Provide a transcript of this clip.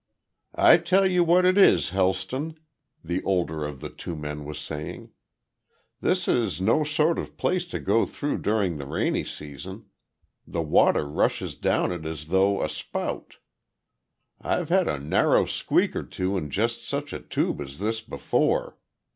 "I tell you what it is, Helston," the older of the two men was saying. "This is no sort of place to go through during the rainy season. The water rushes down it as through a spout. I've had a narrow squeak or two in just such a tube as this before."